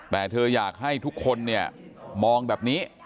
แต่เธออยากให้ทุกคนเนี่ยมองแบบนี้